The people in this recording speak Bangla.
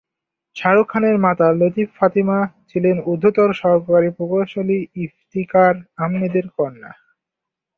শাহরুখ খানের মাতা লতিফ ফাতিমা ছিলেন ঊর্ধ্বতন সরকারী প্রকৌশলী ইফতিখার আহমেদের কন্যা।